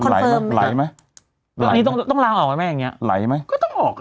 ไหลไหมไหลไหมต้องต้องล้างออกไหมอย่างเงี้ยไหลไหมก็ต้องออกอ่ะ